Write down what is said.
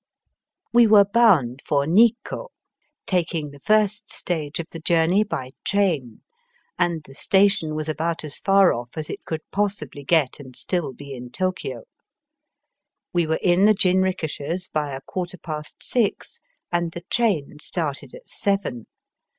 We were bound for Nikko, taking the first stage of the journey by train, and the station was about as far off as it could possibly get and stiU be in Tokio. We were in the jinrikishas by a quarter past six, and the train started at seven.